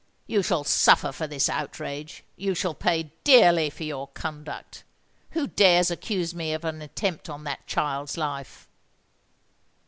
"You shall suffer for this outrage—you shall pay dearly for your conduct! Who dares accuse me of an attempt on that child's life?"